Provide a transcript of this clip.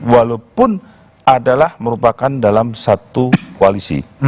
walaupun adalah merupakan dalam satu koalisi